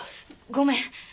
ごめん。